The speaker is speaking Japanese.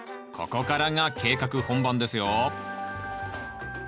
ここからが計画本番ですよ。